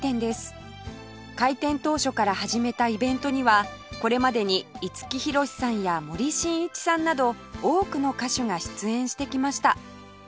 開店当初から始めたイベントにはこれまでに五木ひろしさんや森進一さんなど多くの歌手が出演してきました